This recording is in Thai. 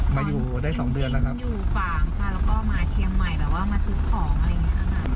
มาอยู่ได้สองเดือนแล้วครับอยู่ฝั่งค่ะแล้วก็มาเชียงใหม่แบบว่ามาซื้อของอะไรอย่างเงี้ยค่ะ